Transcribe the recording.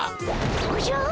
おじゃ！